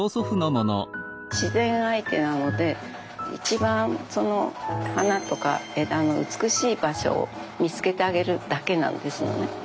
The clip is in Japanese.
自然相手なので一番その花とか枝の美しい場所を見つけてあげるだけなんですよね。